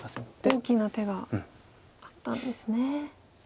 大きな手があったんですね。